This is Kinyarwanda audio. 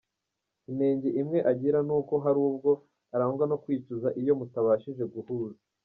Inenge imwe agira ni uko hari ubwo arangwa no kwicuza iyo mutabashije guhuza.